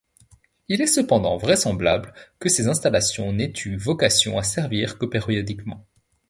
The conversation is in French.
Il est cependant vraisemblable que ces installations n'aient eu vocation à servir que périodiquement.